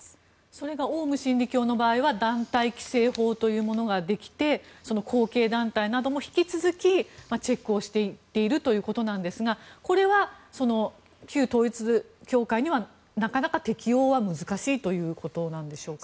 それがオウム真理教の場合は団体規制法というものができてその後継団体なども引き続きチェックしていっているということなんですがこれは、旧統一教会にはなかなか適用は難しいということなんでしょうか。